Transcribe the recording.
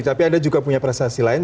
tapi ada juga punya perasaan lain